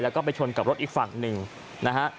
แล้วก็ไปชนกับรถอีกฝั่งหนึ่งนะฮะ